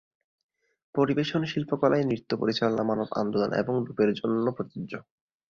পরিবেশন শিল্পকলায় নৃত্য পরিচালনা মানব আন্দোলন এবং রূপের জন্য প্রযোজ্য।